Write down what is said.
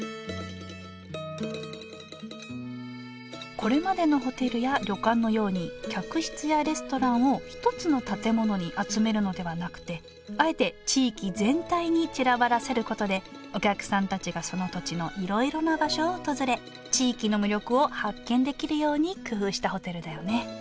これまでのホテルや旅館のように客室やレストランを一つの建物に集めるのではなくてあえて地域全体に散らばらせることでお客さんたちがその土地のいろいろな場所を訪れ地域の魅力を発見できるように工夫したホテルだよね